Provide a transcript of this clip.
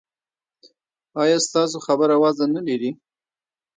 ایا ستاسو خبره وزن نلري؟